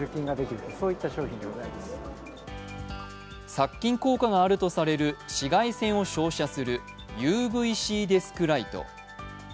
殺菌効果があるとされる紫外線を照射するＵＶ−Ｃデスクライト。